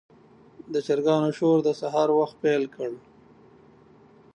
د چرګانو شور د سهار وخت پیل کړ.